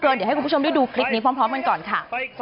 เดี๋ยวให้คุณผู้ชมได้ดูคลิปนี้พร้อมกันก่อนค่ะ